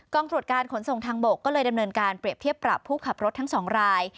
ตรวจการขนส่งทางบกก็เลยดำเนินการเปรียบเทียบปรับผู้ขับรถทั้ง๒ราย